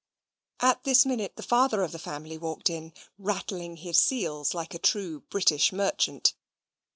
At this minute the father of the family walked in, rattling his seals like a true British merchant.